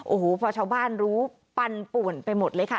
โอ้โหพอชาวบ้านรู้ปันป่วนไปหมดเลยค่ะ